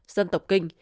dân tộc kinh